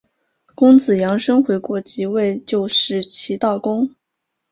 公子阳生回国即位就是齐悼公。